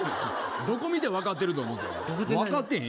どこ見て分かってると思ったん。